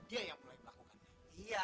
eh yang pasti ini ada duitnya